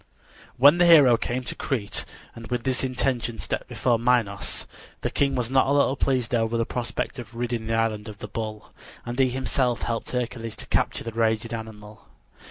When the hero came to Crete and with this intention stepped before Minos, the king was not a little pleased over the prospect of ridding the island of the bull, and he himself helped Hercules to capture the raging animal.